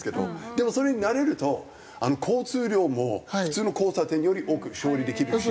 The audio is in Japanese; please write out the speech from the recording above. でもそれに慣れると交通量も普通の交差点より多く処理できるし。